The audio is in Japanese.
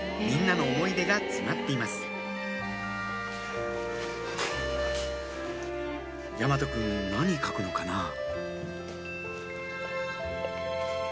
みんなの思い出が詰まっています大和くん何描くのかな？